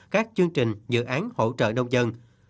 các chương trình dự án hỗ trợ nông dân